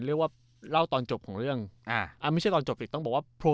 เรียกว่าเล่าตอนจบของเรื่องอ่าอ่าไม่ใช่ตอนจบสิต้องบอกว่าโผล่